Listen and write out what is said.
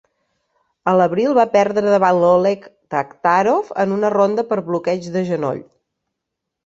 A l'abril, va perdre davant Oleg Taktarov en una ronda per bloqueig de genoll.